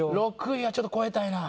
６位はちょっと超えたいな。